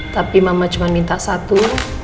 tapi mama cuma minta satu